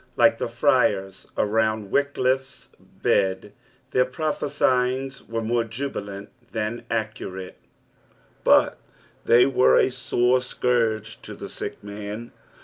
Like the friars around WickliSe's bed, their prophesyings were more jubilant than accurate, but ther were a soro scourge to the sick man.